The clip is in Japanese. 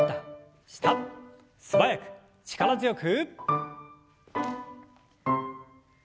素早く力強く。